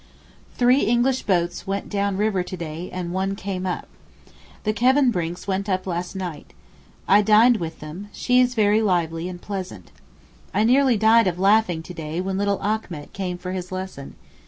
Three English boats went down river to day and one came up. The Kevenbrincks went up last night. I dined with them, she is very lively and pleasant. I nearly died of laughing to day when little Achmet came for his lesson.